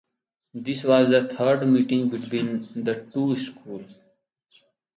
This was the third meeting between the two schools.